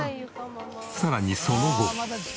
さらにその後。